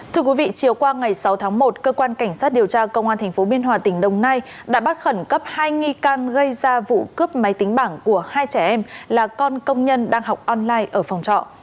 thưa quý vị chiều qua ngày sáu tháng một cơ quan cảnh sát điều tra công an tp biên hòa tỉnh đồng nai đã bắt khẩn cấp hai nghi can gây ra vụ cướp máy tính bảng của hai trẻ em là con công nhân đang học online ở phòng trọ